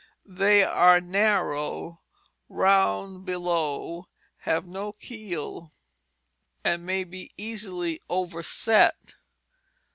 They are narrow, round below, have no keel and may be easily overset.